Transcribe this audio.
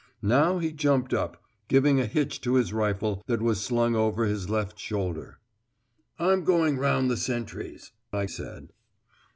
Now he jumped up, giving a hitch to his rifle that was slung over his left shoulder. "I'm going round the sentries," I said.